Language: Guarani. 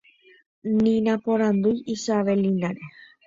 ni naporandúi Isabellina-re